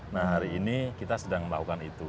nah hari ini kita sedang melakukan itu